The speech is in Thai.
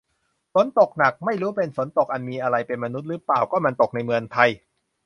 ฝนตกหนัก ไม่รู้เป็น ฝนตกอันมีอะไรเป็นมนุษย์ รึเปล่า ก็มันตกในเมืองไทย